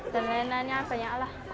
dan lain lainnya banyaklah